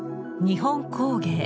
日本工芸